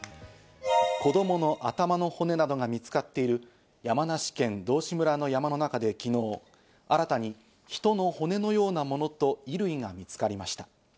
子供の頭の骨などが見つかっている山梨県道志村の山の中で昨日、新たに人の骨のようなものと衣類が見つかりました。